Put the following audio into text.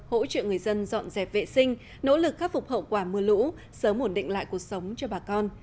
hỗ trợ người dân dọn dẹp vệ sinh nỗ lực khắc phục hậu quả mưa lũ sớm ổn định lại cuộc sống cho bà con